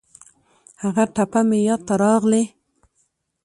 هغه ټپه مې یاد ته راغلې.